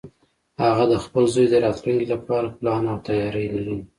هغه د خپل زوی د راتلونکې لپاره پلان او تیاری لري